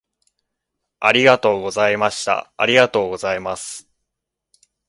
ありがとうございました。ありがとうございます。